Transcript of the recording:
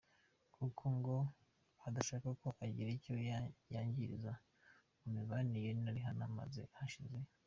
kuko ngo adashaka ko agira icyo yangiriza mu mibanire ye na Rihanna, maze hashize.